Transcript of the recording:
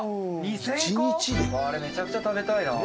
「あれめちゃくちゃ食べたいな」